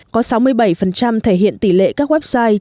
có sáu mươi bảy thể hiện tỷ lệ các website